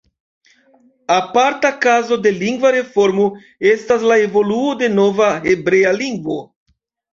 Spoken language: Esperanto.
Aparta kazo de lingva reformo estas la evoluo de la nova hebrea lingvo.